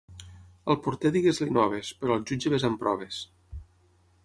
Al porter digues-li noves, però al jutge ves amb proves.